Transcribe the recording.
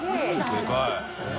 でかい何？